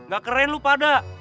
gak keren lo pada